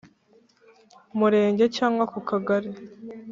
Murenge cyangwa ku Kagari